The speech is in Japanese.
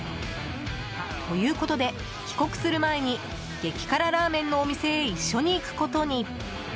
ということで、帰国する前に激辛ラーメンのお店へ一緒に行くことに。